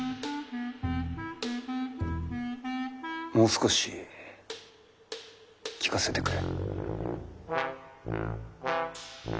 もう少し聴かせてくれ。